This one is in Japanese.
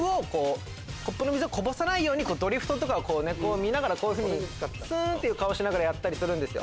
コップの水をこぼさないようにドリフトとかを見ながらすんって顔しながらやったりするんですよ。